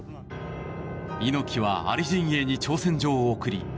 猪木はアリ陣営に挑戦状を送り